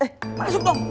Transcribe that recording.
eh masuk dong